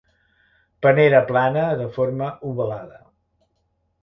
Panera plana de forma ovalada.